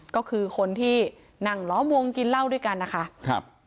ก็คือคนที่นั่งล้อมวงกินเหล้าด้วยกันนะคะครับ